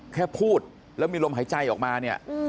แค่พูดแล้วมีลมหายใจออกมาเนี่ย